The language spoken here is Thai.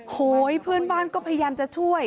โหยเพื่อนบ้านก็พยายามจะช่วย